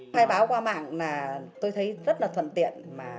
khai báo qua mạng là tôi thấy rất là thuận tiện